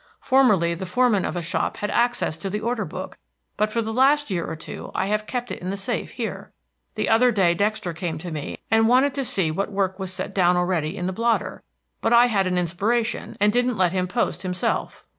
Formerly the foreman of a shop had access to the order book, but for the last year or two I have kept it in the safe here. The other day Dexter came to me and wanted to see what work was set down ahead in the blotter; but I had an inspiration and didn't let him post himself."